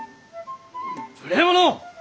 無礼者！